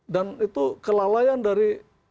dan itu kelalaian dari